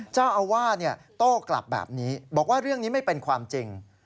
เจ้าอาวาสโต้กลับแบบนี้บอกว่าเรื่องนี้ไม่เป็นความจริง